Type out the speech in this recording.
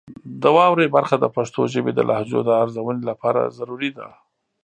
د واورئ برخه د پښتو ژبې د لهجو د ارزونې لپاره ضروري ده.